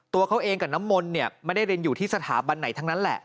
ตัวเขาเองกับน้ำมนต์เนี่ยไม่ได้เรียนอยู่ที่สถาบันไหนทั้งนั้นแหละ